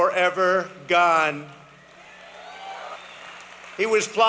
sekarang sudah selalu hilang